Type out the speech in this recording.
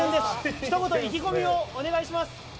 ひと言、意気込みをお願いします。